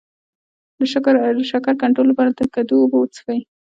د شکر کنټرول لپاره د کدو اوبه وڅښئ